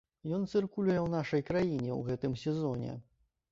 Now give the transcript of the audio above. Ён цыркулюе ў нашай краіне ў гэтым сезоне.